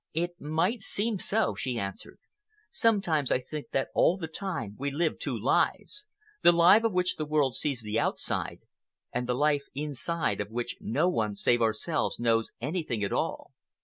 "It might seem so," she answered. "Sometimes I think that all the time we live two lives,—the life of which the world sees the outside, and the life inside of which no one save ourselves knows anything at all.